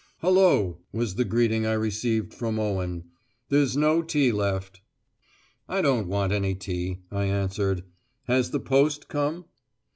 "Hullo," was the greeting I received from Owen. "There's no tea left." "I don't want any tea," I answered. "Has the post come?"